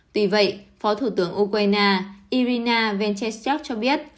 tuy vậy phó thủ tướng ukraine irina ventesok cho biết